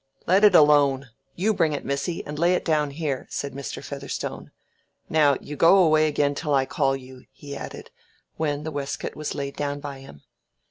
"Let it alone! You bring it, missy, and lay it down here," said Mr. Featherstone. "Now you go away again till I call you," he added, when the waistcoat was laid down by him.